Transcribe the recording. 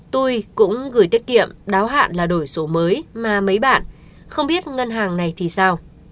tôi cũng gửi tiết kiệm đáo hạn là đổi số mới mà mấy bạn không biết ngân hàng này thì sao